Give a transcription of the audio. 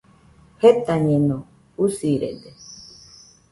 Jetañeno, usirede